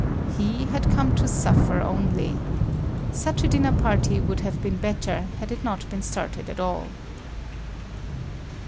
He had come to suffer only. Such a dinner party would have been better had it not been started at all.